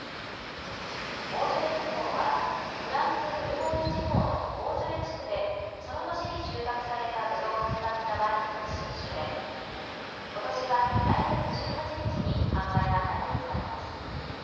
ボージョレ・ヌーボーはフランス・ブルゴーニュ地方のボージョレ地区でその年に収穫されたぶどうを使ったワインの新酒でことしは来月１８日に販売が解禁されます。